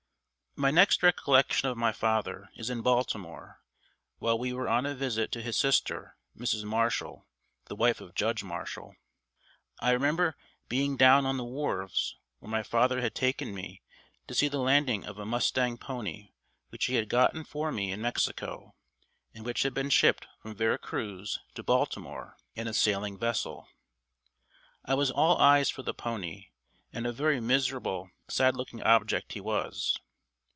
My next recollection of my father is in Baltimore, while we were on a visit to his sister, Mrs. Marshall, the wife of Judge Marshall. I remember being down on the wharves, where my father had taken me to see the landing of a mustang pony which he had gotten for me in Mexico, and which had been shipped from Vera Cruz to Baltimore in a sailing vessel. I was all eyes for the pony, and a very miserable, sad looking object he was.